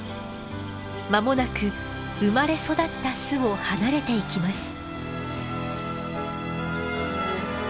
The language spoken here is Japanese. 間もなく生まれ育った巣を離れていきます。